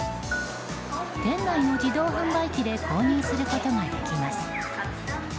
店内の自動販売機で購入することができます。